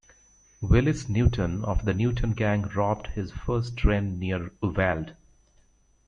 Willis Newton of The Newton Gang robbed his first train near Uvalde.